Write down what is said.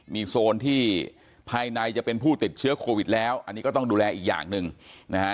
มีโซนที่ภายในจะเป็นผู้ติดเชื้อโควิดแล้วอันนี้ก็ต้องดูแลอีกอย่างหนึ่งนะฮะ